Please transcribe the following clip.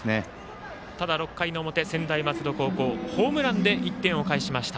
６回の表、専大松戸高校ホームランで１点を返しました。